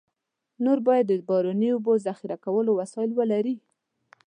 نور باید د باراني اوبو ذخیره کولو وسایل ولري.